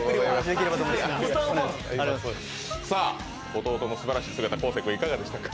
弟のすばらしい姿、昴生君、いかがでしたか？